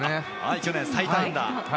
去年、最多安打。